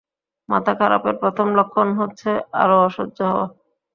মাথা খারাপের প্রথম লক্ষণ হচ্ছে, আলো অসহ্য হওয়া!